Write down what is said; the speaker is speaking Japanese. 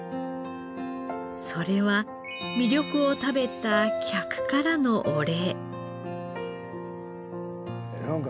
それは味緑を食べた客からのお礼。